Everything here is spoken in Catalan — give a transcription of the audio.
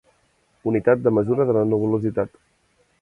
Unitat de mesura de la nuvolositat.